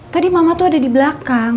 tadi mama tuh ada di belakang